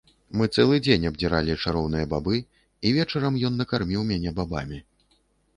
Мы цэлы дзень абдзіралі чароўныя бабы і вечарам ён накарміў мяне бабамі.